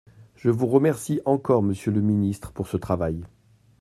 Je vous remercie encore, monsieur le ministre, pour ce travail.